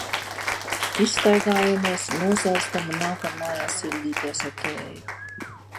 Izstaigājamies, nosalstam un nākam mājās sildīties ar tēju.